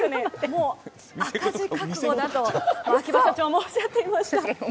もう赤字覚悟だと、秋葉社長もおっしゃっていました。